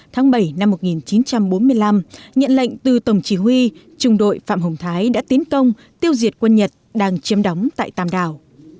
tháng bảy năm một nghìn chín trăm bốn mươi năm nhận lệnh từ tổng chỉ huy trùng đội phạm hồng thái đã tiến công tiêu diệt quân nhật đang chiếm đóng tại tàm đào